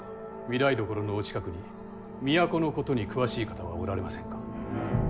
御台所のお近くに都のことに詳しい方はおられませんか。